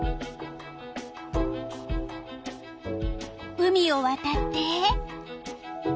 海をわたって。